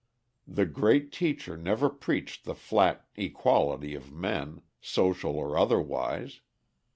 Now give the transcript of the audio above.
The Great Teacher never preached the flat equality of men, social or otherwise.